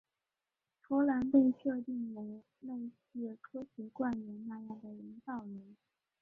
芙兰被设定为类似科学怪人那样的人造人。